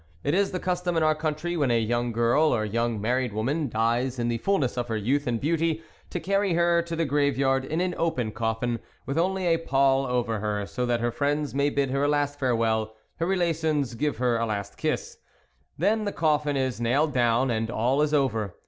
It is the custom in our country when a young girl, or young married woman, dies in the full ness of her youth and beauty, to carry her to the grave yard in an open coffin, with only a pall over her, so that her friends may bid her a last farewell, her relations give her a last kiss. Then the coffin is nailed down, and all is over.